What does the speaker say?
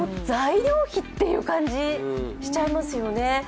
材料費っていう感じ、しちゃいますよね。